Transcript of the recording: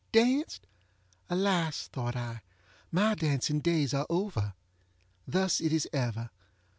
Danced! Alas, thought I, my dancing days are over! Thus it is ever.